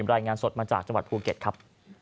รายงานสดมาจากจังหวัดภูเก็ตครับ